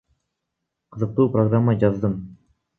Кызыктуу программа жаздым